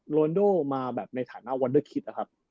โรนโดมาในฐานะวันเดอร์คิด